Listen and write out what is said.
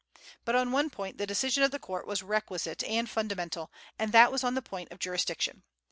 But on one point the decision of the court was requisite and fundamental, and that was the point of jurisdiction.